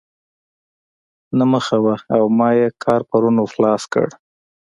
نهه مخه وه او ما ئې کار پرون ور خلاص کړ.